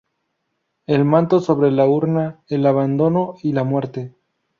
El manto sobre la urna: el abandono y la muerte.